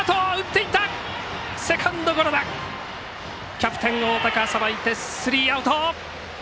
キャプテンの大高がさばいてスリーアウト。